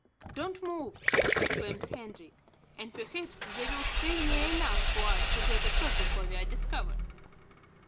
"Don't move," exclaimed Hendrik, "and perhaps they will stray near enough for us to get a shot before we are discovered."